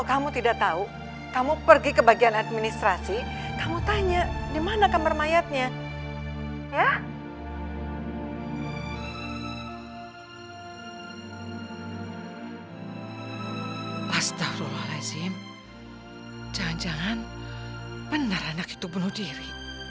astagfirullahaladzim jangan jangan benar anak itu bunuh diri